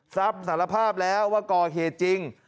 รับสารภาพแล้วว่าก่อเหตุจริง